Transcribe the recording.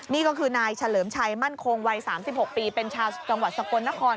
นี่ก็คือนายเฉลิมชัยมั่นคงวัย๓๖ปีเป็นชาวจังหวัดสกลนคร